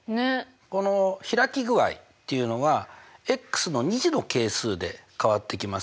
この開き具合っていうのはの２次の係数で変わってきますね。